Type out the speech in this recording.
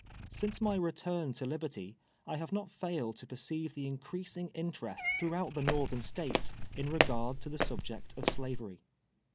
' Since my return to liberty, I have not failed to per ceive the increasing interest throughout the Xorthem States, in regard to the subject of Slavery.